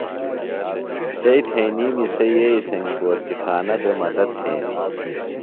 چئی تھئینیمی سےۡ یئی سنگیۡ بورچی خانہ بےۡ مدت تھینِم۔